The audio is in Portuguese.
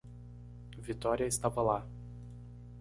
Vitória estava lá.